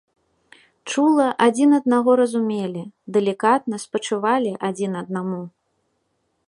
Чула адзін аднаго разумелі, далікатна спачувалі адзін аднаму.